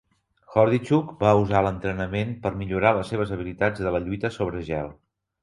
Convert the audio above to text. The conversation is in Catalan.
Hordichuk va usar l'entrenament per millorar les seves habilitats en la lluita sobre gel.